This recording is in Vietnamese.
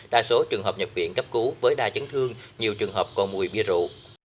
đa số trường hợp nhập viện cấp cứu với đa chấn thương nhiều trường hợp còn mùi bia rượu